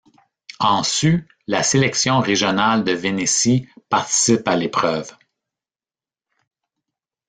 En sus, la sélection régionale de Vénétie participe à l'épreuve.